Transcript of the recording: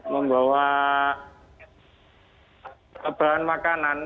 membawa bahan makanan